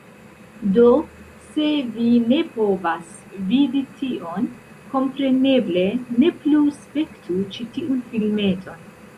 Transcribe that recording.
Do, se vi ne povas vidi tion, kompreneble, ne plu spektu ĉi tiun filmeton.